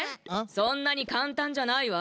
そんなにかんたんじゃないわ。